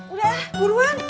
udah lah buruan